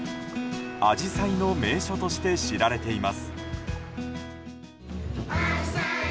アジサイの名所として知られています。